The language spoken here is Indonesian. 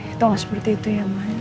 itu gak seperti itu ya mak